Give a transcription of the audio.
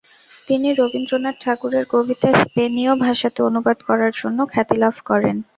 তিনি রবীন্দ্রনাথ ঠাকুরের কবিতা স্পেনীয় ভাষাতে অনুবাদ করার জন্য খ্যাতিলাভ করেন।